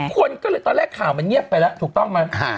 คนก็เลยตอนแรกข่าวมันเงียบไปแล้วถูกต้องไหม